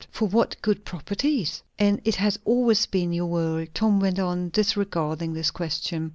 "For what good properties?" "And it has always been your world," Tom went on, disregarding this question.